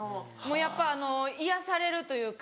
やっぱあの癒やされるというか。